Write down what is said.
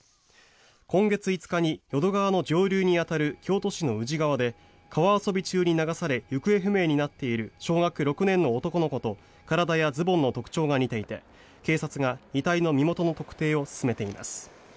今月５日に淀川の上流に当たる京都市の宇治川で川遊び中に流れ行方不明になっている小学６年の男の子と体やズボンの特徴が似ていて警察が遺体の身元の特定を進めています。